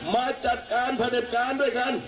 มาจัดการพระเด็จการ